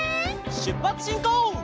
しゅっぱつしんこう！